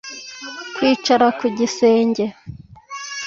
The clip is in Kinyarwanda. kwicara ku gisenge.